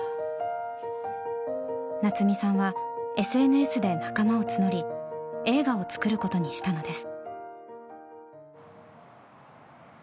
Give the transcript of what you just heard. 夏実さんはＳＮＳで仲間を募り映画を作ることにしたのです。